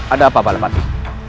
ada apa bala bati